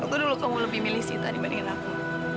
aku dulu kamu lebih milih sita dibandingin aku